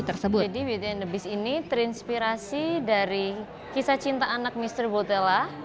jadi bidang the beast ini terinspirasi dari kisah cinta anak mr botella